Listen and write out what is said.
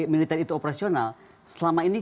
militer itu operasional selama ini